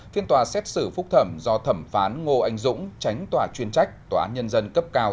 phiên tòa xét xử phúc thẩm do thẩm phán ngô anh dũng tránh tòa chuyên trách tòa án nhân dân cấp cao